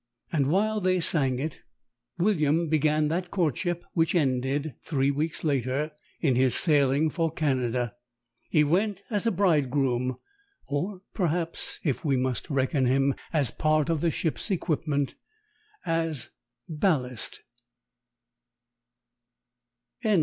." And while they sang it William began that courtship which ended, three weeks later, in his sailing for Canada. He went as a bridegroom; or perhaps (if we must reckon him as part of the ship's equipment), as ballast. The End.